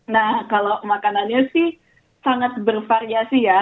nah kalau makanannya sih sangat bervariasi ya